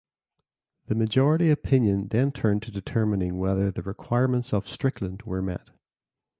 The majority opinion then turned to determining whether the requirements of "Strickland" were met.